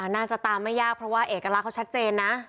น่าจะตามไม่ยากเพราะว่าเอกลักษณ์เขาชัดเจนนะ